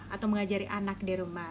atau mengajari anak di rumah